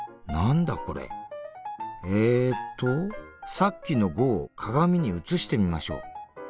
さっきの５を鏡に映してみましょう。